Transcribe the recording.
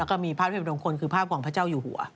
แล้วก็มีภาพที่อุดมคนคือภาพของพระเจ้าอยู่หัว